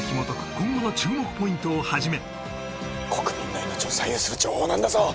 今後の注目ポイントをはじめ国民の命を左右する情報なんだぞ